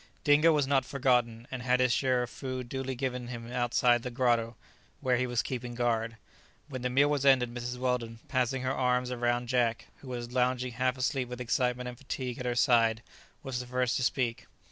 Dingo was not forgotten, and had his share of food duly given him outside the grotto, where he was keeping guard. When the meal was ended, Mrs. Weldon, passing her arms round Jack, who was lounging half asleep with excitement and fatigue at her side, was the first to speak.